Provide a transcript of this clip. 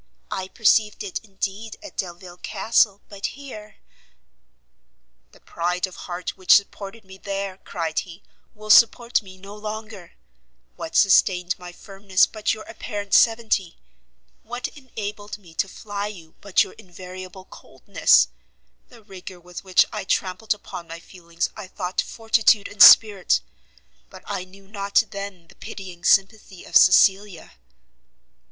I perceived it indeed, at Delvile Castle, but here " "The pride of heart which supported me there," cried he, "will support me no longer; what sustained my firmness, but your apparent severity? What enabled me to fly you, but your invariable coldness? The rigour with which I trampled upon my feelings I thought fortitude and spirit, but I knew not then the pitying sympathy of Cecilia!"